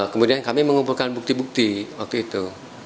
kemudian kami mengumpulkan bukti bukti waktu itu